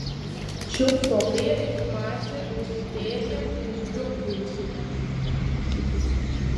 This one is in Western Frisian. Sjoch foar mear ynformaasje oer sitearjen ús Rjochtlineside.